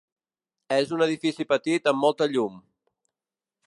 És un edifici petit amb molta llum.